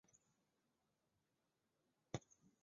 这是土耳其东黑海地区的区域统计资料。